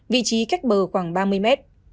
vị trí cách bờ khoảng ba mươi mét